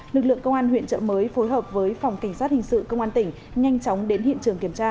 lực lượng công an huyện trợ mới phối hợp với phòng cảnh sát hình sự công an tỉnh nhanh chóng đến hiện trường kiểm tra